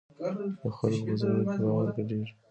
د خلکو په زړونو کې باور ګډېږي.